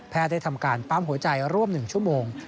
ได้ทำการปั๊มหัวใจร่วม๑ชั่วโมง